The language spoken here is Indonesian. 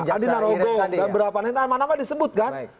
adi narogo dan berapa nama nama disebut kan